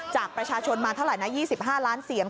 จากประชาชนมาเท่าไหร่นะ๒๕ล้านเสียง